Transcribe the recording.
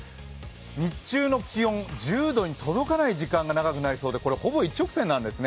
日中の気温、１０度に届かない時間が多くなってほぼ一直線なんですね。